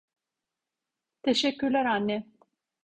Teşekkürler anne.